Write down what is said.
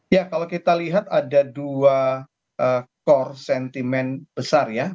ya kalau kita lihat ada dua core sentimen besar ya